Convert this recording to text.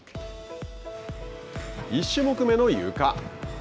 １種目めのゆか。